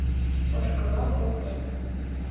Ошкылал колтем.